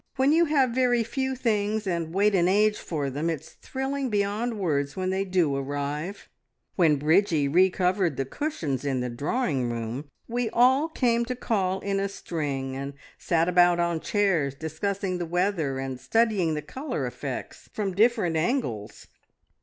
When you have very few things, and wait an age for them, it's thrilling beyond words when they do arrive. When Bridgie re covered the cushions in the drawing room we all came to call in a string, and sat about on chairs, discussing the weather and studying the colour effects from different angles.